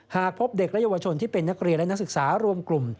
หากพบเด็กและเยาวชนที่เป็นนักเรียนและนักศึกษารวมกลุ่ม